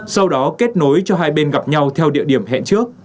sau đó kết nối cho hai bên gặp nhau theo địa điểm hẹn trước